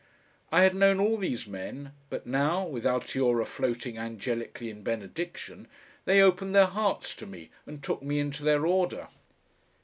I had known all these men, but now (with Altiora floating angelically in benediction) they opened their hearts to me and took me into their order.